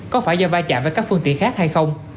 có phải do vai trạm với các phương tiện khác hay không